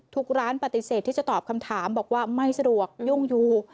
ทุกร้านปฏิเสธที่จะตอบคำถามบอกว่าไม่สะดวกยุ่งอยู่